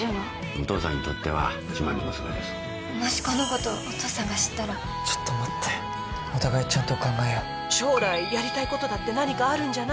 お父さんにとっては自慢の娘ですもしこのことお父さんが知ったらちょっと待ってお互いちゃんと考えよう将来やりたいことだって何かあるんじゃない？